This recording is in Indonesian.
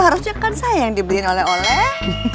harusnya kan saya yang dibeliin oleh oleh